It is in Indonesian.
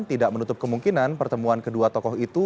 tidak menutup kemungkinan pertemuan kedua tokoh itu